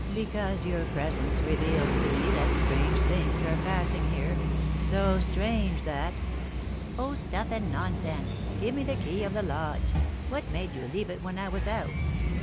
"Because your presence reveals to me that strange things are passing here, so strange that " "Oh, stuff and nonsense! Give me the key of the lodge! What made you leave it when I was out?